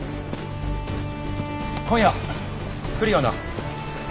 今夜来るよな？